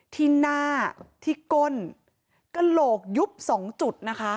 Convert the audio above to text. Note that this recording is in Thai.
ที่หน้าที่ก้นกระโหลกยุบสองจุดนะคะ